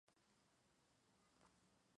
La llamó Bella.